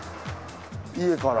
家から。